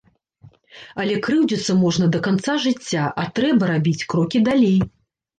Але крыўдзіцца можна да канца жыцця, а трэба рабіць крокі далей!